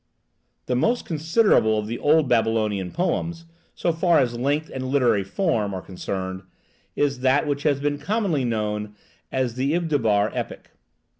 The most considerable of the old Babylonian poems, so far as length and literary form are concerned, is that which has been commonly known as the Izdubar epic.